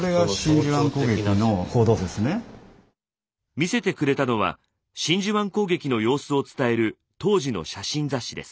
見せてくれたのは真珠湾攻撃の様子を伝える当時の写真雑誌です。